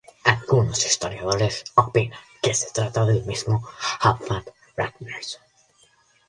Algunos historiadores opinan que se trata del mismo Halfdan Ragnarsson.